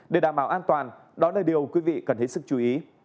để đảm bảo an toàn đó là điều quý vị cần hết sức chú ý